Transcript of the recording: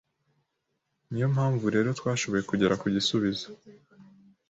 ni yo mpamvu rero twashoboye kugera ku gisubizo